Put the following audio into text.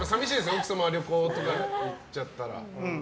奥様が旅行とか行っちゃったら。